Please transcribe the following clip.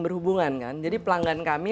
berhubungan kan jadi pelanggan kami